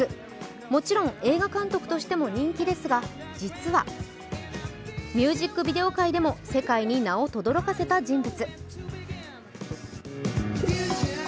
もちろん映画監督としても人気ですが、実はミュージックビデオ界でも世界に名をとどろかせた人物。